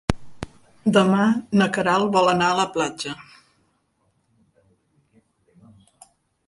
Demà na Queralt vol anar a la platja.